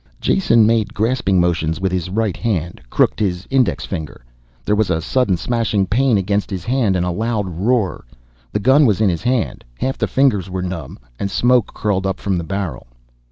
Jason made grasping motions with his right hand, crooked his index finger. There was a sudden, smashing pain against his hand and a loud roar. The gun was in his hand half the fingers were numb and smoke curled up from the barrel.